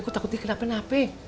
gue takut dia kena apa apa